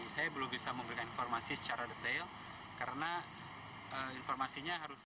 saya belum bisa memberikan informasi secara detail karena informasinya harus